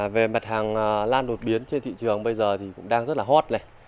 về mặt hàng lan đột biến trên thị trường bây giờ thì cũng đang rất là hot này